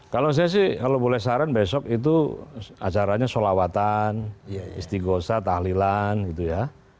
kalau saya sih kalau boleh saran besok itu acaranya sholawatan istighosa tahlilan gitu ya